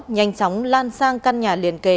nhanh chóng lan sang căn nhà liền kề